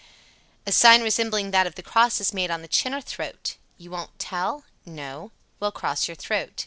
62. A sign resembling that of the cross is made on the chin or throat. "You won't tell?" "No." "Well, cross your throat."